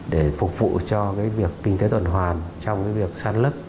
để phục vụ cho việc kinh tế tuần hoàn trong việc săn lấp